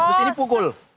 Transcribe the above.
terus ini pukul